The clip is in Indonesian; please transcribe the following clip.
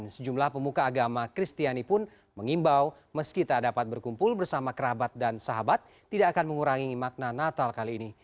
sejumlah pemuka agama kristiani pun mengimbau meski tak dapat berkumpul bersama kerabat dan sahabat tidak akan mengurangi makna natal kali ini